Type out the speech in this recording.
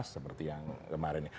seperti yang kemarin